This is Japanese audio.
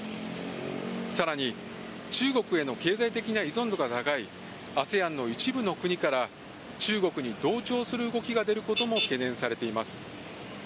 さらに、中国への経済的な依存度が高いＡＳＥＡＮの一部の国から、中国に同調する動きが出ることも懸念されています。